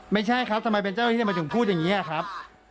ไม่ใช่ครับทำไมเป็นเจ้าหน้าที่ทำไมถึงพูดอย่างนี้ครับ